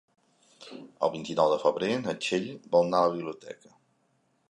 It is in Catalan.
El vint-i-nou de febrer na Txell vol anar a la biblioteca.